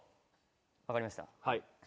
分かりました。